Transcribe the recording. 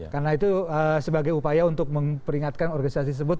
karena itu sebagai upaya untuk memperingatkan organisasi tersebut